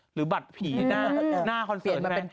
หรือบัตรผีหน้าคอนเซิร์ตแมน